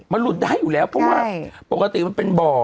มันหลุดได้อยู่แล้วเพราะว่าปกติมันเป็นบ่อ